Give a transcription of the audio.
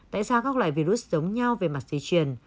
tại sao các loại virus giống nhau về mặt di chuyển